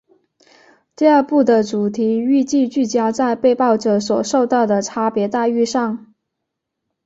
第二部的主题预计聚焦在被爆者所受到的差别待遇上。